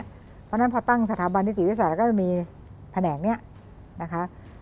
เพราะฉะนั้นพอตั้งสถาบันนิติวิทยาศาสตร์ก็จะมีแผนกนี้นะคะ